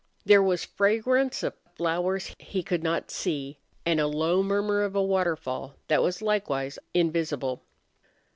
There was fragrance of flowers he could not see and a low murmur of a waterfall that was likewise invisible.